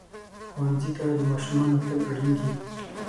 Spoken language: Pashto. ښوونځي ته د ماشومانو تلل اړین دي.